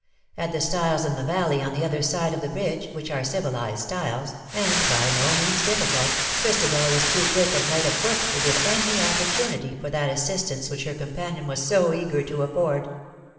At the stiles in the valley on the other side of the bridge, which are civilized stiles, and by no means difficult, Christabel was too quick and light of foot to give any opportunity for that assistance which her companion was so eager to afford.